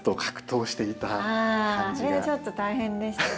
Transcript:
あれはちょっと大変でしたね。